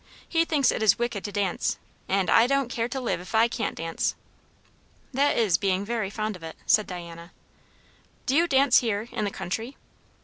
He thinks it is wicked to dance; and I don't care to live if I can't dance." "That is being very fond of it," said Diana. "Do you dance her, in the country?"